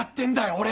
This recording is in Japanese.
俺